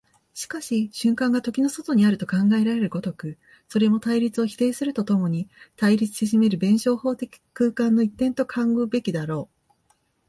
しかし瞬間が時の外にあると考えられる如く、それも対立を否定すると共に対立せしめる弁証法的空間の一点と考うべきであろう。